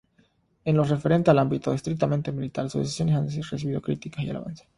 En lo referente al ámbito estrictamente militar sus decisiones han recibido críticas y alabanzas.